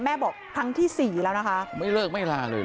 บอกครั้งที่สี่แล้วนะคะไม่เลิกไม่ลาเลยเห